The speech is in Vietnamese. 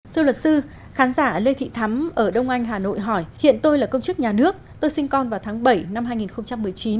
thưa luật sư khán giả lê thị thắm ở đông anh hà nội hỏi hiện tôi là công chức nhà nước tôi sinh con vào tháng bảy năm hai nghìn một mươi chín